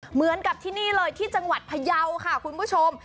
เหมือนกับที่นี่เลยที่จังหวัดพยาวค่ะคุณผู้ชม